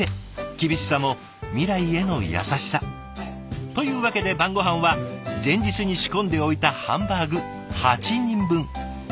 厳しさも未来への優しさ。というわけで晩ごはんは前日に仕込んでおいたハンバーグ８人分。